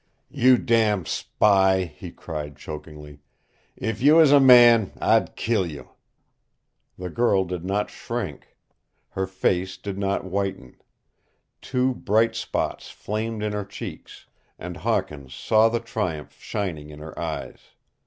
"You damned spy!" he cried chokingly. "If you was a man I'd kill you!" The girl did not shrink. Her face did not whiten. Two bright spots flamed in her cheeks, and Hawkins saw the triumph shining in her eyes.